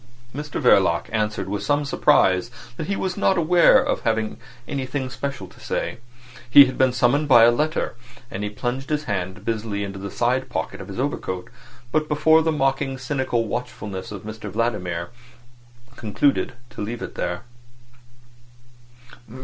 Mr Verloc answered with some surprise that he was not aware of having anything special to say. He had been summoned by a letter—And he plunged his hand busily into the side pocket of his overcoat, but before the mocking, cynical watchfulness of Mr Vladimir, concluded to leave it there.